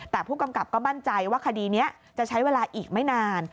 แต่ผู้กำกับก็มั่นใจว่าคดีนี้จะใช้เวลาอีกไม่นาน